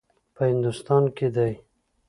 په هندوستان کې دی.